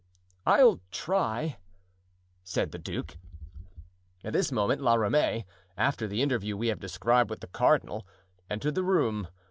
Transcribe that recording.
"I'll try," said the duke. At this moment La Ramee, after the interview we have described with the cardinal, entered the room.